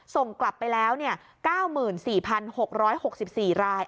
ส่งกลับไปแล้ว๙๔๖๖๔ราย